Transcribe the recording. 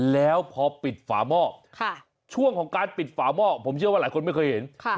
แล้วพอปิดฝาหม้อช่วงของการปิดฝาหม้อผมเชื่อว่าหลายคนไม่เคยเห็น